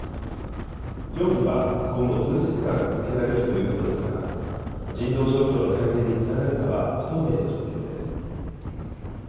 協議は今後、数日間続けられるということですが、人道状況の改善につながるかは不透明な状況です。